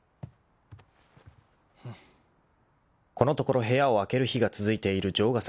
［このところ部屋を空ける日が続いている城ヶ崎氏］